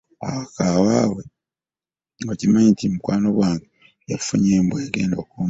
Okimanyi nti mukwano gwange yafunye embwa egenda okukuuma e waka waabwe.